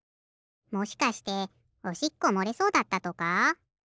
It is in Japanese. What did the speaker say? もしかしておしっこもれそうだったとか？